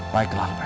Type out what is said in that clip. baiklah lebih karat